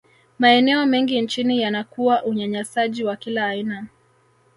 maeneo mengi nchini yanakuwa unyanyasaji wa kila aina